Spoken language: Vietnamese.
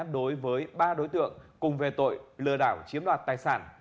đối với ba đối tượng cùng về tội lừa đảo chiếm đoạt tài sản